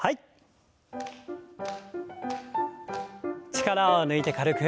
力を抜いて軽く。